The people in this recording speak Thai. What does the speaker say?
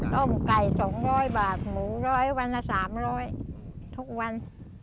ต้มไก่๒๐๐บาทหมูร้อยวันละ๓๐๐ทุกวัน